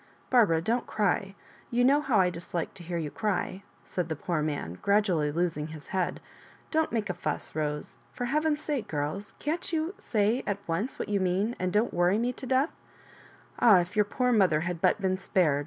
Barbara, don't cry. You know how I dislike to hear you cry," said the poor man, gra dually losing bis bead. "Don't make a fuss, Bose ; for heaven's sake, girls, can't you say at once what you mean, and don't worry me to death ? Ah, if your poor mother had but been spared!"